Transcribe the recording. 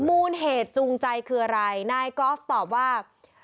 มูลเหตุจูงใจคืออะไรนายกอล์ฟตอบว่า